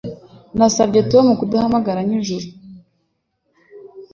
Nasabye Tom kudahamagara nijoro